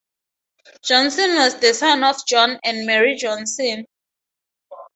Johnson was the son of John and Mary Johnson.